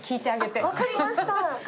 分かりました